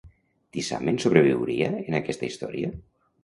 Tisamen sobreviuria en aquesta història?